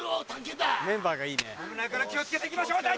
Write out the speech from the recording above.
危ないから気を付けて行きましょう隊長！